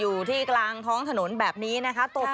กูไม่มีทางแบบนี้นะครับ